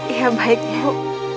ya baik bu